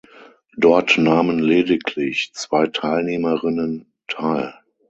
Dort nahmen lediglich zwei Teilnehmerinnen teil.